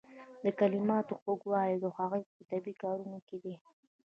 د کلماتو خوږوالی د هغوی په طبیعي کارونه کې دی.